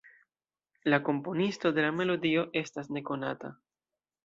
La komponisto de melodio estas nekonata.